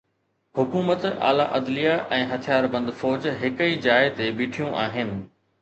حڪومت، اعليٰ عدليه ۽ هٿياربند فوج هڪ ئي جاءِ تي بيٺيون آهن.